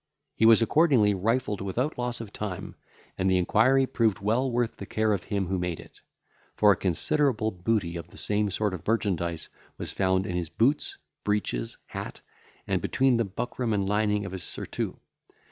He was accordingly rifled without loss of time, and the inquiry proved well worth the care of him who made it; for a considerable booty of the same sort of merchandise was found in his boots, breeches, hat, and between the buckram and lining of his surtout.